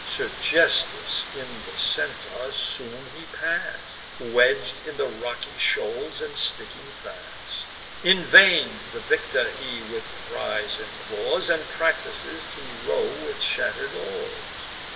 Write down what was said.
Sergesthus in the Centaur soon he pass'd, Wedg'd in the rocky shoals, and sticking fast. In vain the victor he with cries implores, And practices to row with shatter'd oars.